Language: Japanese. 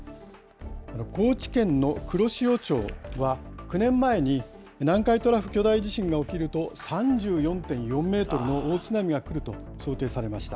高知県の黒潮町は、９年前に南海トラフ巨大地震が起きると３４．４メートルの大津波が来ると想定されました。